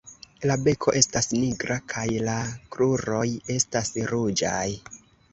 La beko estas nigra kaj la kruroj estas ruĝaj.